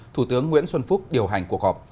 thủ tướng nguyễn xuân phúc điều hành cuộc họp